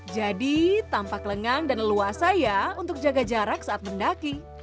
jadi tampak lengang dan leluhas saya untuk jaga jarak saat mendaki